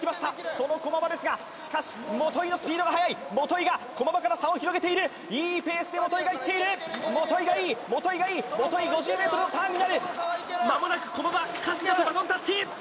その駒場ですがしかし基のスピードがはやい基が駒場から差を広げているいいペースで基がいっている基がいい基がいい基５０ｍのターンになるまもなく駒場春日とバトンタッチ！